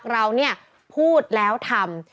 เราเนี่ยพูดแล้วทำ